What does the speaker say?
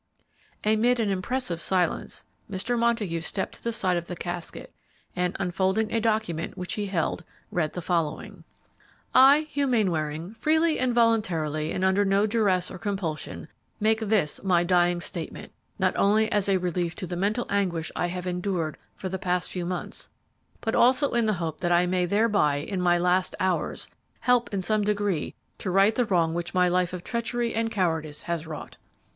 Amid an impressive silence, Mr. Montague stepped to the side of the casket and, unfolding a document which he held, read the following: "I, Hugh Mainwaring, freely and voluntarily and under no duress or compulsion, make this, my dying statement, not only as a relief to the mental anguish I have endured for the past few months, but also in the hope that I may thereby, in my last hours, help in some degree to right the wrong which my life of treachery and cowardice has wrought.